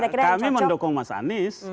kami mendukung mas anies